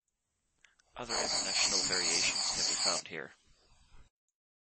Other international variations can be found here.